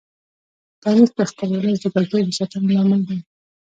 تاریخ د خپل ولس د کلتور د ساتنې لامل دی.